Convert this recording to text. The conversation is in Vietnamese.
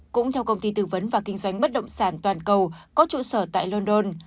cũng theo công ty tư vấn và kinh doanh bất động sản toàn cầu có trụ sở tại london